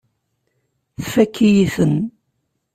Tfakk-iyi-ten.